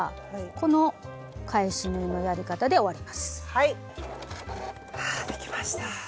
はあできました。